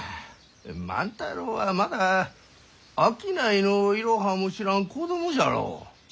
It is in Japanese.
万太郎はまだ商いのイロハも知らん子供じゃろ。